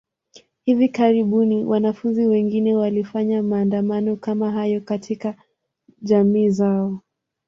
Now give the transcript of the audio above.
Hivi karibuni, wanafunzi wengine walifanya maandamano kama hayo katika jamii zao.